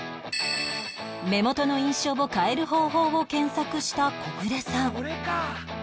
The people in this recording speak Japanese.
目元の印象を変える方法を検索したコグレさん